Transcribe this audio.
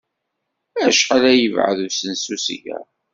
Acḥal ay yebɛed usensu seg-a?